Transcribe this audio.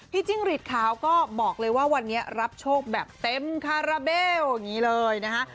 จิ้งหลีดขาวก็บอกเลยว่าวันนี้รับโชคแบบเต็มคาราเบลอย่างนี้เลยนะฮะ